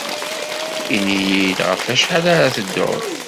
Ini-iyi-d ɣef wacḥal ara teddud.